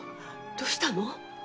「どうしたの？」